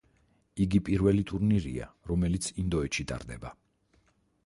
იგი პირველი ტურნირია, რომელიც ინდოეთში ტარდება.